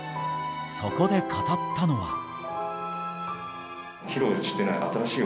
そこで語ったのは。